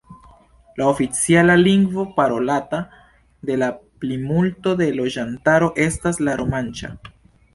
La oficiala lingvo parolata de la plimulto de loĝantaro estas la romanĉa.